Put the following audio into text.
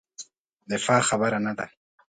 دفاع خبره نه ده.